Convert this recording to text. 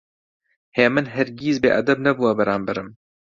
هێمن هەرگیز بێئەدەب نەبووە بەرامبەرم.